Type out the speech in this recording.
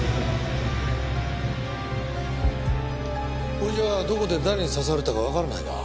これじゃあどこで誰に刺されたかわからないな。